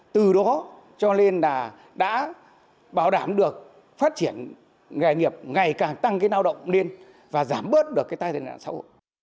từ đó cho nên là đã bảo đảm được phát triển nghề nghiệp ngày càng tăng cái lao động lên và giảm bớt được cái tai nạn xã hội